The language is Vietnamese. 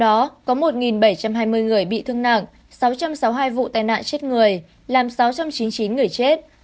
trong đó có một bảy trăm hai mươi người bị thương nặng sáu trăm sáu mươi hai vụ tai nạn chết người làm sáu trăm chín mươi chín người chết